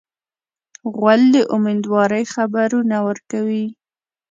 غول د امیندوارۍ خبرونه ورکوي.